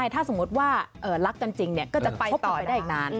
ถ้าสมมติว่ารักกันจริงก็จะไปต่อได้อีกนาน